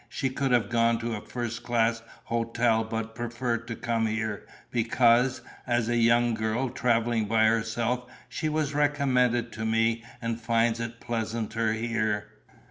She could have gone to a first class hotel but preferred to come here because, as a young girl travelling by herself, she was recommended to me and finds it pleasanter here.